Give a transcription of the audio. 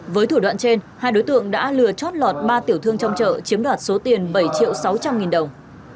với thủ đoạn trên hai đối tượng đã lừa chót lọt ba tiểu thương trong chợ chiếm đoạt số tiền bảy triệu sáu trăm linh nghìn đồng